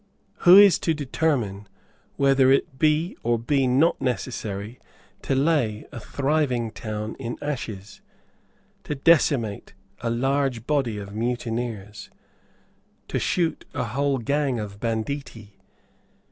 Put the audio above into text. Who is to determine whether it be or be not necessary to lay a thriving town in ashes, to decimate a large body of mutineers, to shoot a whole gang of banditti?